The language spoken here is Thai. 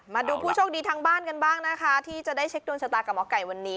มาดูผู้โชคดีทางบ้านกันบ้างนะคะที่จะได้เช็คดวงชะตากับหมอไก่วันนี้